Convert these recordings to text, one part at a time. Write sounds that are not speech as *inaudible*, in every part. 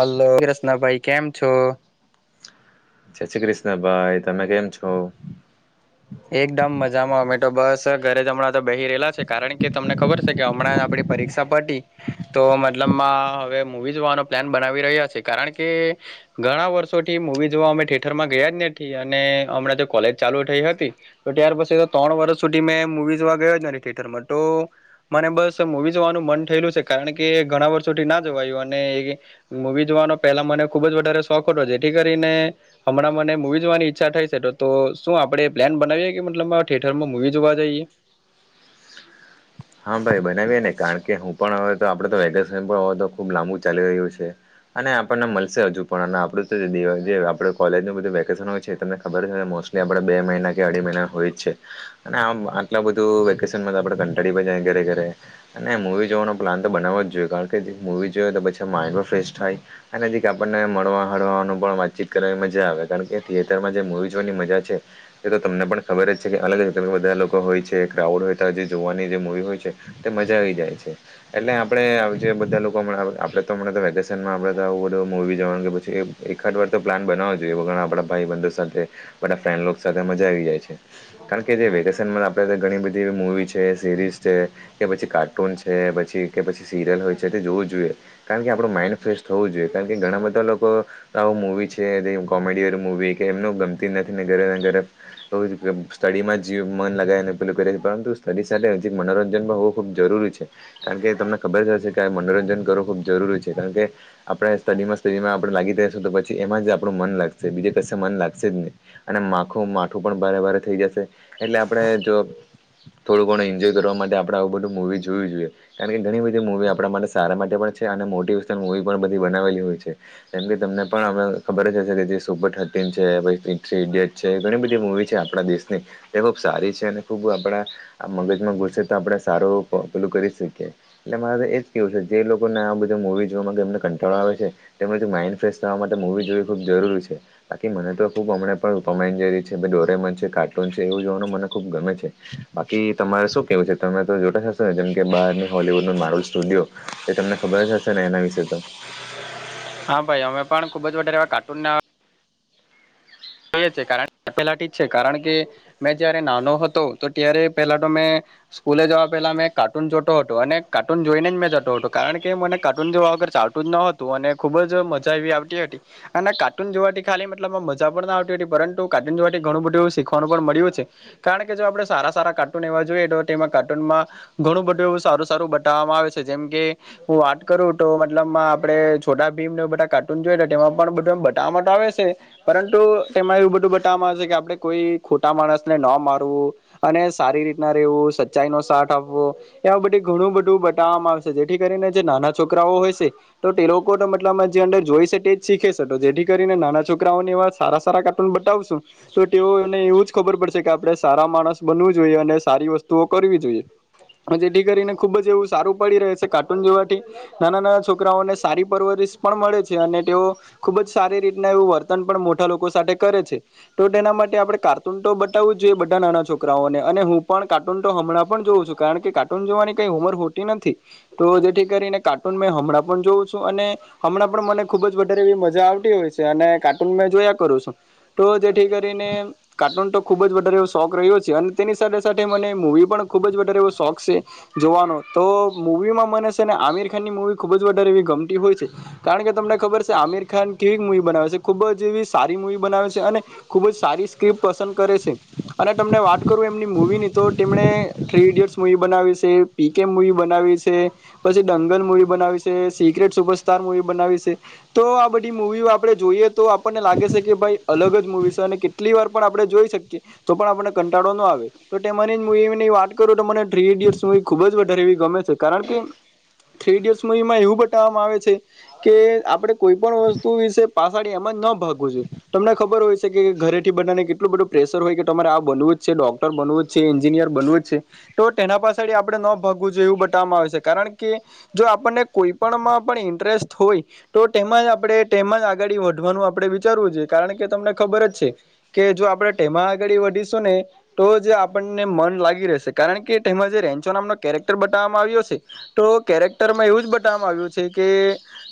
Hello Krishnabhai કેમ છો છ શ્રી કૃષ્ણ ભાઈ તમે કેમ છો એકદમ મજામાં અમે તો બસ ઘરે જ હમણાં તો બહી રહેલા છે કારણ કે તમને ખબર છે કે હમણાં આપડી પરીક્ષા પટી તો મતલબ હવે મવી જોવાનો પ્લાન બનાવી રહ્યા છે કારણ કે ઘણા વર્ષો થી મુૂવી જોવા અમે થિટર માં ગયા જ નથી અને હમણાં તો કોલેજ ચાલુ થઈ હતી તો ત્યાર બસ ત્રણ વર્ષ સુધી મેં મુવીઝમાં ગયો થિયેટરમાં તો મને બસ મુવીઝ જોવાનું મન થયેલું છે કારણ કે ઘણા વર્ષોથી ના જવાયું અને એ મવી જોવાનું પહેલા મને ખુબ જ વધા શોખ હતો જેથી કરીને હમણાં મને મૂવી જોવાની ઈચ્છા થાય છે તો તો શું આપણેે પ્લાન બનાવીએ કે મતલબ થિયેટરમાં મૂવી જોવા જઈએ હા ભાઈ બનાવીએ ને કારણ કે હું પણ હવે તો આપડ તો વેકેશન પણ હોય તો ખુબ લાંબુ ચાલી રહ્યું છે અને આપણને મળશે હજુ પણ આપડું તો આપ કોલેજ બધુ વેકેશન હો તમને ખબર મોસ્ટલી આપ બે મહિના કે અઢી મહિના હોય જ છે અને આમ આટલા બધું વેકેશનમાં તો આપડે કંટાળી પણ જઈએ ઘરે ઘરે અને મૂવી જોવાનો પ્લાન તો બનાવો જ જોઈએ કારણ કે મૂવી જોય તો પછી માયનોર ફેસ થાય અને કે આપણને મળવા હળવાનું પણ વાતચીત કરે મજા આવે કારણ કે થિયેટરમાં જે મૂવી જોવાની મજા છે એ તો તમને પણ ખબર જ છે કે બધા લોકો હોય છે ક્રાઉડ હોય તો જે જોવાની જે મૂવી હોય છે મજા આવી જાય છે એટલે આપડે આવીજે બધા લોકોમાં આપડે તો અમડા તો વેકેશનમાં આપડે તો બધ મૂવી જવાનું પછી એકાદ વાર તો પ્લાન બનાવો જોઈએ ઘણા આપણા ભાઈ બંધ સાથે બધા ફેમ સાથે મજા આવી જાય છે કારણ કે જે વેકેશનમાં આપણે ઘણી બધી મુવી છે સરીઝ છે કે પછી કાર્ટૂન છે પછી કે પછી સીરિયલ હોય છે તે જોવું જોઈએ કારણ કે આપણું માઇન્ડ ફ્રેશ થવું જોઈએ કારણ કે ઘણા બધા લોકો આવું મૂવી છે કોમેડી મૂવી કે એમને ગમતી નથી ને ઘરેને ઘરે સ્ટડીમાં જ મન લગાવ ને પેલું પરંતુ સડી સાથે મનોરંજનમાં હોવું ખૂબ જરૂરી છે કારણ કે તમને ખબર જ હશે કે આ મનોરંજન કરવું ખૂબ જરૂરી છે કારણ કે આપડે સ્ટડીમાં સ્ટડીમાં આપડે લાગી રહશું તો પછી એમાં જ આપણું મન લાગશે બીજે કશે મન લાગશે જ નહી અને માખું માથું પણ ભારે ભારે થઈ જશે એટલે આપણે જો થોડું ઘણું એન્જય કરવા માટે આપણે આવું બધું મૂવી જોવી જોઈએ, કારણ કે ઘણી બધી મૂવી આપણા માટે સારા માટે પણ છે, અને મોટિવેશન મુવી પણ બધી બનાવેલી હોય છે, જેમ કે તમને પણ ખબર જ હશે કે જે સુપર થર્ટીન છે. થ્રી ઇડિયટ છે, ઘણી બધી મુવી છે, આપણા દેશની એ ખુબ સારી છે, અને ખૂબ આપડા મગજ ઘુસે, તો આપણે સારું પેલું કરી શકીએ એટલે મારે એજ કેવું છે, જે લોકો ને આ બધું મુવી કંટાળો આવે છે, તેમ માન્ડ ફેશ થવા માટે મુવી જોવી ખબ જરૂરી છે, બાકી મને તો ખૂબ પણ ટોમ એન્ડ જેરી છે, ડોરેમોન છે, કાર્ટૂન છે, એવું જોવાનું મને ખૂબ ગમે છે, બાકી તમારે શું કેવું છે, તમે તો જોતા જ હશે જેમ કે બહાર ને હોલીવુડનું મારુલ સ્ટુડિયો, એ તમને ખબરજ હશે ને એના વિશે તો હા, ભાઈ અમે પણ ખુબજ વધારે એવા કાર્ટૂન, ના જોયે છે, કારણ પેલાથી જ છે, કારણ કે મેં જયારે નાનો હતો તો ત્યારે પેલા તો મેં સ્કૂલે જવા પેલા મેં કાર્ટૂન જોતો, હતો અને કાર્ટૂન જોઈને જ મેં જતો, હતો કારણ કે મને કાર્ટુન જોવા વગર કાર્ટૂન ન હતુ અને ખુબજ મજા એવી આવતી હતી, અને કાર્ટૂન જોવાથી ખાલી મતલબમાં મજા પણ પરતું કાર્ટન જોવા, ઘણું બધું સીખવાનું પણ મળ્યું છે, કારણ કે જો આપણે સારા સારા કાર્ટૂન એવા જોઈએ, તો કાર્ટૂનમાં ઘણુ બધુ એવ સારુ, સારુ બતાવવામાં આવે છે, જેમ કે હુ, વાત કરુ તો મતલબ મા આપડે છોટા ભીમને, બધા કાર્ટૂન જોઇને, તેમાં પણ બધ બતાવા આવે છે, પરંતુ એમા એવુ બધુબતાવામાં આવે છે, કે આપડે કોઈ ખોટા માણસ ને ન મારવું અને સારી રીતના રેવુ સચ્ચાઈનો સાથ આપવો એ આવી બધી ઘણુ બધુ બટવામાં આવશે જેથી કરીને જે નાના છોકરાઓ, હોય છે. તો તે લોકો તો મતલબમાં જે અંદર જોઈ છે તે જ શીખે છે, તો જેથી કરીને નાના છોકરાઓને એ સારા સારા કાર્ટૂન બતાવશુ, તો તેઓ એને એવુ જ ખબર પડશે કે આપણે સારા માણસ બનવું જોઈએ, અને સારી વસ્તુ તો કરવી જોઈએ જેથી કરીને ખુબજ એવું સારું પડી રહે છે, કાર્ટૂન જોવાથી નાના, નાના છોકરાઓને સારી પરવર પણ મળે છે, અને તેઓ ખુબજ સારી રીતના, એવું વર્તન પણ મોટા લોકો સાથે કરે છે, તો તેના માટે આપણે કાર્ટૂન તો બતાવવું જોઈએ, બધા નાના છોકરાઓને અને હુ, પણ કાર્ટૂન હમણાં પણ જોઉ છું, કારણ કે કાર્ટૂન જોવાની કઈ ઉંમર હોતી, નથી. તો જેથી કરીને કાર્ટૂન મેં હમણા પણ જોઉં છું, અને હમણાં પણ મને ખુબજ વધારે એવી મજા આવતી હોય છે, અને કાર્ટૂન મેં જોયા કરુ છુ. તો જેથી કરીને કાર્ટૂન, તો ખુબજ વધારે શોખ રહ્યો છે, અને તેની સાથે સાથે મને મૂવી પણ ખુબજ વધારે શોખ છે, જોવાનો તો મૂવીમાં મને છેને, આમિર ખાન ની મૂવી ખુબજ. વધારે આવી ગમતી હોય છે, કારણ કે તમને ખબર છે, આમિર ખાન કેવી મુવી બનાવે છે, ખુબ જ એવી મૂવી બના છે, અને ખૂબ જ સારી સ્ક્રિપ પસંદ કરે છે, અને તમને વાત કરું એમની મૂવીની તો તેમણે થ્રી ઇડિયટ્સ મુવી બનાવી છે, પીકે મુવી બનાવી છે, પછી દંગલ મુવી બનાવી સે સિક્રેટ સુપરસ્ટાર મુવી બનાવી છે, તો આ બધી મુવી આપણે જોઈએ, તો આપણને લાગે છે કે અલગ જ મુવી છે, કેટલી વાર પણ આપણે જોઈ શકીએ, તો પણ આપને કંટાળો ન આવે તો તેમાંની મુવી વાત કરું, તો મને થ્રી ઇડયટ ખુજ વધારે એવી ગમે છે, કારણ કે થ્રી ઇડિયેટ મૂવીમા એવું બતાવવામાં આવે છે, કે આપડે કોઈ પણ વસ્તુ વિશે પહાડી એમજ. ન ભાગવુ, જોઇએ તમને ખબર હોય છે, કે ઘરેથી બનાનેટલું બધું પ્રેશર હોય, કે તમારે આ બનવું જ છે, ડોક્ટર બનવું જ છે એન્જિ યાર બનવુ છે, તો તેના પાછ આપણે ન ભાગવું જોઈએ, એવું બતાવવામાં આવે છે, કારણ કે જો આપણને કોઈપમાં પણ ઇન્ટરેસ્ટ હોય, તો તેમાં જ આપણે, તેમાં જ આગળ વધવાનું આપડે વિચારવું છેએ કારણ કે તમને ખબર જ છે, કે જો આપણે ટેમા આગળ વધીશું, ને તો જ આપણને મન લાગી રહે સે, કારણ કે તેમાં જે રેન્ચો નામનો કેરેક્ટર બતાવવામાં આવ્યો છે, તો કેરેક્ટરમા એવું જ બતા કેવા મારવો છે, કે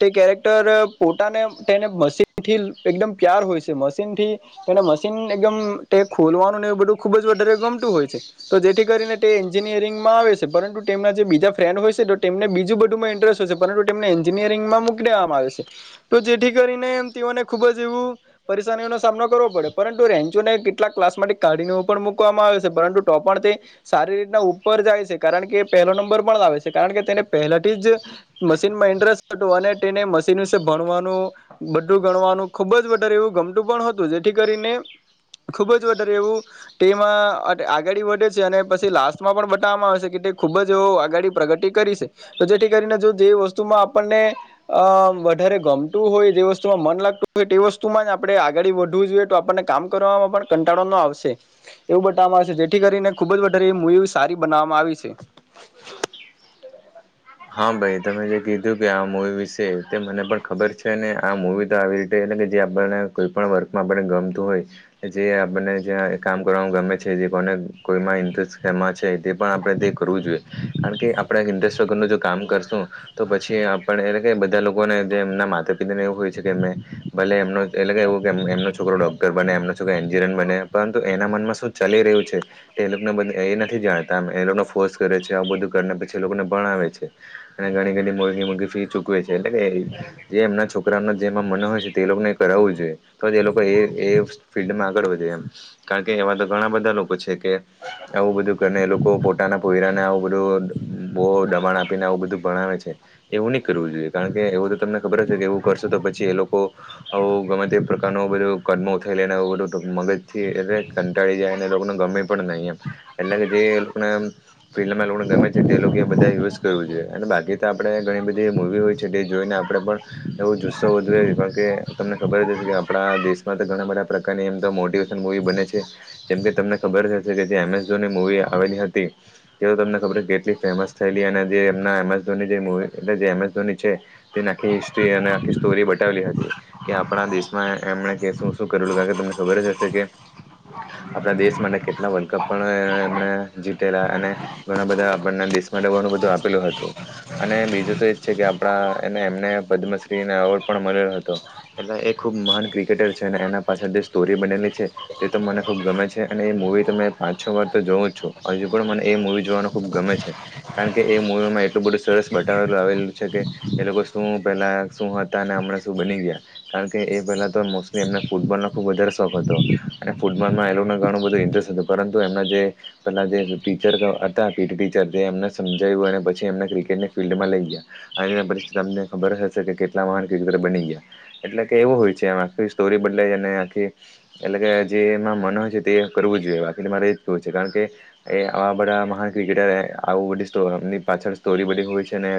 તે ચારેક્ટર પોતાને તેને મશનથી, એક દમ પ્યાર હોય છે, મશીન થી. તેને મશીન એકદમ તે ખોલવાનુ ને એવું બધું ખુબ જ વધારે ગમતું, હોય છે. તો જેથી કરીને તે એન્જિનિયરિંગમા આવે છે, પરંતુ તેમના જે બીજા ફ્રેન્ડ હોય છે, તો તેમને બીજું બધુંમા પરંતુ તેમને એન્જિનિયરિંગમાં મોક દેવામાં આવે છે, તો જેથી કરીને એમ તેઓને ખુબ જ એવું પરેશાનીઓનોો સામનો કરવો, પડે પરંતુ રેન્ચોને કેટલાક ક્લાસ માટે કાઢીને પણ મકવામાં આવે છે, પરંતુો પણ તે સારી રીતના ઉપર જાય છે, કારણ કે પહેલો નંબર પણ લાવે છે, કારણ કે તેને પહેલાથી જ. મશીનમાં ઇન્ટરેસ્ટ હતું, અને તેને મશીન વિશે ભણવાનુ બધું ગણવાનુ ખુબ જ એવુ ગમતુ પણ હતુ, જેથી કરીને ખુબ જ વધારે એવુ તેમાં આગળ વધે છે, અને પછી લાસ્ટમાં પણ બતાવવામાં આવે છે, કે ખૂબ જ આગડી પ્રગતિ કરી છે, તો જેથી કરીને જો, જે વસ્તુમાં આપણને એ. વધારે ગમતું હોય જે વસ્તુમાં મન લાગતું હોય તે વસ્તુ માં જ આપણે આગાડી વધવું જોઈએ તો આપણને કામ કરવામાં પણ કંટાળો ન આવશે એવું બતાવવામાં આવશે જેથી કરીને ખુબ જ વધારે મુવી સારી બનાવવામાં આવી છે. હા ભાઈ તમે જે કીધું કે આ મુવી વિશે તે મને પણ ખબર છે ને આ મુવી તો આવી રીતે કે જે આપણને કોઈ પણ વર્કમાં આપને ગમતું હોય જે આપણને કામ કરવાનું ગમે છે કોઈમાં ઇન્ટરેસ્ટ એમાં છે તે પણ આપણે કરવું જોઈએ કારણ કે આપણે ઇન્ટરેસ્ટ *unintelligible* કામ કરશું તો પછી આપડે એટલે કે બધા લોકોને એમના માતા પિતા ને એવું હોય છે કે ભલે એમને એટલે કે એવું કે એમનો છોકરો ડોક્ટર બને એમનો છોક એન્જિનિયર બને પરંતુ એના મનમાં શું ચલી રહ્યું છે એ લોકોને એ નથી જાણતા એ લોકોને ફોર્સ કરે છે બધું કરને પછી એ લોકોને પણ આવે છે અને ઘણી ઘણી મોઘી મોઘી ફી ચૂકવે છે એટલે જે એમના છોકરાનો જેમાં મન હોય છે તે લોકોને કરાવું જ જોએ તોજ એલોકો એ સ્પીડ માં આગળ વધે એમ કારણ કે એવા તો ઘણા બધા લોકો છે. કે આવું બધું કરીને એ લોકો પોતાના પોયરાને આવું બધું બો દબાણ આપીને આવું બધું ભણાવે છે એવું ની કરવું જોઈએ કારણ કે એવું તો તમને ખબર જ છે કે એવું કરશો તો પછી એ લોકો આવું ગમે તે પ્રકાર નું બધો કદમો ઉઠાઈ લેને એવું બધું મગજ થી એટલે ઉટાડી જાયને એલોકોને ગમે પણ નહી એમ એટલે કે જે લોકોને ફિલ્ડમાં લોકોને ગમે છે તે લોકો એ બધા યુઝ કરવું જોઈએ અને બાકી તો આપણે ઘણી બધી મૂવી હોય છે જે જોઈને આપણે પણ એવું જો ઉત્સવ વધવે *unintelligible* કે તમને ખબર જ હશે કે આપણા દેશમાં તો ઘણા બધા પ્રકારની એમ તો મોટિવેશન મૂવી બને છે જેમ કે તમને ખબર હશે કે જે એમેસઝોનની મુૂવી આવેલી હતી તે તમને ખબર છે કેટલી ફેમસ થયેલી અને જે એમના એમ એસ ધોની જે મૂવી એ જે એમ એસ ધોની છે તેની આખી હિસ્ટરિ અને સ્ટોરી બતાલી હતી કે આપણા દેશમાં એમણે શું શું કરે કારણ કે તમને ખબર જ હશે કે આપણા દેશ માટે કેટલા વર્લ્ડ કપ પણ એમણે જીતેલા અને ઘણા બધા બને દેશ માટે ઘણું બધું આપેલું હતું અને બીજું તો એજ છે કે આપડા એ એમને પદ્મશ્રી નો એવોડ પણ મળલો હતો એટલે એ ખુબ મહાન ક્રિકેટર છે અને એના પાછળ જે સ્ટોરી બનેલી છે એ તો મને ખુબ ગમે છે અને એ મૂવી તમે પાંચ છ વાર તો જોવું જ છું હજુ પણ મને એ મુૂવી જોવાનું ખુબ ગમે છે. કારણ કે એ મુવીમાં એટલું બધું સરસ બતાવેલું આવેલું છે કે એ લોકો શું પેલા શું હતા ને હમણાં શું બની ગયા કારણ કે એ પહેલા તો મોસ્ટલી એમને ફૂટબોલનો ખૂબ વધારે શોખ હતો. ફૂટબોલમાં એલોને ઘણું બધું ઇન્ટરેસ્ટ હતું પરંતુ એમના જે પેલા જે ટીચર હતા પી ટી ટી ચર એમને સમજાવ્યું અને પછી એમને ક્રિકેટને ફિલ્ડમાં લઈ ગયા આ પરિસ્થિત અમને ખબર હશે કે *unintelligible* બની ગયા એટલે કે એવું હોય છે આખી સ્ટોરી બદલે આખી એટલે કે જે એમાં મન હોય છે તે કરવું જોઈએ બાકી તો મારે એજ કેવું છે કારણ કે એ આવા બધા મહાન ક્રિકેટર આવું બધી સ્ટો એમની પાછળ સ્ટોરી બધી હોય છે ને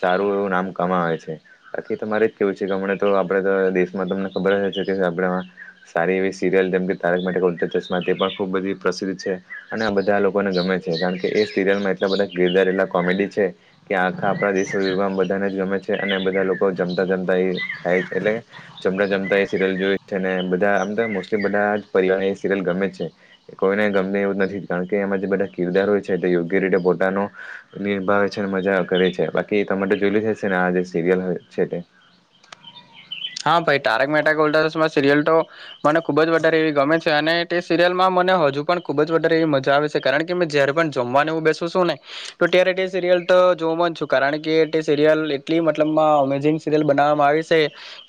સારું એવું નામ કમાવે છે બાકી તમારે કેવું છે કે હમ તો આપડે તો દેશમાં તમને ખબર જ હશે કે આપડામાં સારી એવી સિરિયલ જેમ કે તારક મેહતા કા ઉલ્ટા ચશ્મા તે પણ ખૂબ બધી પ્રસિદ્ધ છે અને આ બધા લોકોને ગમે છે કારણ કે એ સિરિયલમાં એટલા બધા કીરદાર એટલા કોમેડી છે કે આખા આપણા દેશો વિદેશમાં બધાને ગમે છે અને બધા લોકો જમતા જમતા એ ખાય એટલે જમતા જમતા એ સિરિયલ જોય છે ને. બધા આમ તો મોસ્ટલી બધા પરિવાર એ સિરિયલ ગમે છે કોઈને ગમે એવું જ નથી કારણ કે એમાં જે બધા કિરદાર હોય છે તે યો ગ્ય રીતે પોટાનો નિર્ભાવ છેને મજા કરે છે બાકી તમે તો જોયલુ હશે ને આ જે સિરિયલ છેટે હા ભાઈ તારક મેતા કા ઉલ્ટા ચશ્મા સિરિયલ તો મને ખુબ જ વધારે એવી ગમે છે. અને તે સિરિયલમાં મને હજુ પણ ખૂબ જ વધારે એવી મજા આવે છે કારણ કે મેં જ્યારે પણ જમવાને એ હું બેસું સુ ને તો ત્યારે તે સિરિયલ તો જોમ જ છું કારણ કે તે સિરિયલ એટલી મતલબમાં અમેઝિંગ સિરિયલ બના મા આવી સે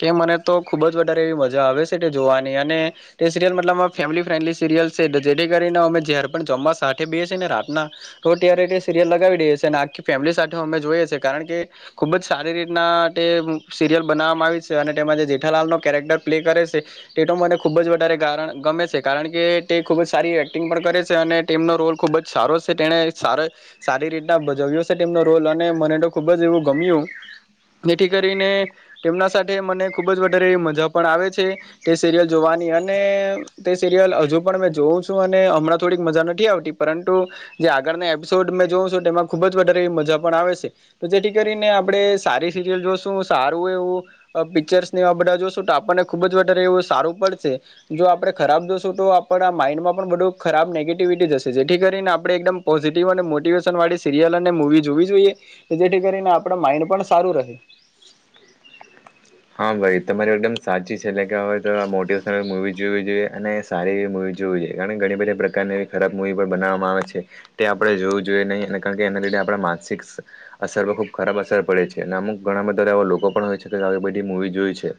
કે મને તો ખૂબ જ વધારે એવી મજા આવે છે તે જોવાની અને તે સિરયલ મતબમાં ફેમિલી ફ્રેન્ડલી સિરિયલ્સ જેથી કરીને અમે જ્યાંરે પણ જમવા સાથે બેએ છીએ ને રાતના તો ત્યારે સિરયલ લગાવી દઈએ એ અને આખી ફેમિલી સાથે અમે જોઈએ છીએ કારણ કે ખુબ જ સારી રીતના તે સિરિયલ બનાવવામાં આવી છે. અને તેમાં જે જેઠાલાલનો કેરેક્ટર પ્લે કરે સે તેતો મને ખૂબ જ વધારે ગમે છે કારણ કે તે ખૂબ જ સારી એક્ટિંગ પણ કરે છે અને તેમનો રોલ ખૂબ જ સારો છે તેને આ સારી રીતના ભજ રોલ અને મને તો ખુબ જ એવું ગમ્યું જેથી કરીને તેમના મ ખુબ જ વધારે મજા પણ આવે છે તે સિરિયલ જોવાની અને તે સિરિયલ હજુ પણ જોવું છું અને હમણાં થોડીક મજા નથી આવતી પરંતુ જે આગળના એપિસોડ મે જોઉ છું એમાં ખુબ જ વધારે મજા પણ આવે છે તો જેથી કરીને આપણે સારી સિરયલ જોશું સારું એવું પિક્ચર્સ નેવા બધા જોશો તો આપણને ખુબ જ વધારે એવું સારું પડશે જો આપડે ખરાબ જોશું તો પણ આ માઇન્ડમાં પણ બધું ખરાબ નેગેટિવિટી જશે જેથી કરીને આપણે એકદમ પોઝિટિવ અને મોટિવેશન વાળી સીરિયસ મવી જોવી જોઈએ જેથી કરીને આપણા માઇન્ડ પણ સારું રહે હા ભાઈ તમારી એકદમ સાચી છે એટલે કે હવે તો મોટિવેશનલ મુવી જોવી જોઈએ અને સારી એવી મુવી જો જોઈએ કારણ કે ઘણી બધી પ્રકારની ખરાબ મુવી પણ બનાવામાં આવે છે તે આપડણે જોવું જોઈએ નહી કારણ એના આપ માનસિક અસર પર ખુબ ખરાબ અસર પડે છે અને અમુક ઘણા બધા એવા લોકો પણ હોય છે કે મુવી જોય છે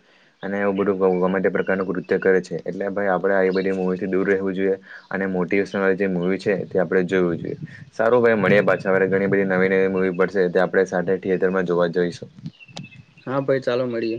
અને એવું બધું પ્રકારનું કૃત્ય કરે છે એટલે ભાઈ આપે આ બધી મુવીથી ું જોઈ મોેશન જે મુવી છે તે આપણે જોું જોઈએ સારું ભાઈ મળએ પાછા ઘણી બધી નવી નવી મૂવી પડશે તે આપણે સા થિયેટરમાં જોવા જઈશું હા ભાઈ ચાલો મળીએ